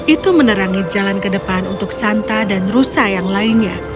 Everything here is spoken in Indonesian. itu menerangi jalan ke depan untuk santa dan rusa yang lainnya